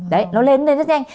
đấy nó lên lên rất nhanh